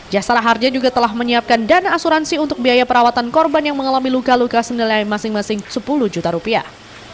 jasara harja juga telah menyiapkan dana asuransi untuk biaya perawatan korban yang mengalami luka luka senilai masing masing sepuluh juta rupiah